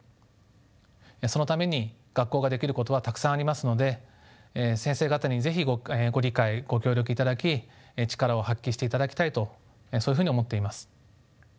そのために学校ができることはたくさんありますので先生方に是非ご理解ご協力いただき力を発揮していただきたいとそういうふうに思っています。